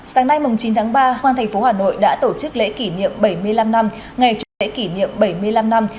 sáng nay chín tháng ba hoàng thành phố hà nội đã tổ chức lễ kỷ niệm bảy mươi năm năm ngày chủ đề kỷ niệm bảy mươi năm năm